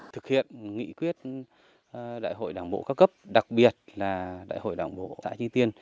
thực hiện nghị quyết đại hội đảng bộ các cấp đặc biệt là đại hội đảng bộ tại chi tiên